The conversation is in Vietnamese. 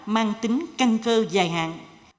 mang tính căng cơ dài hạn